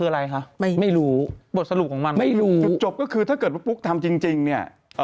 นะฮะลุกก็ต้องติดคุกไป